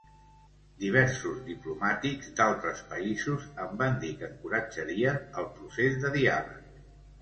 Diversos diplomàtics d’altres països em van dir que encoratjarien el procés de diàleg.